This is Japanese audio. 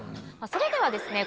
それではですね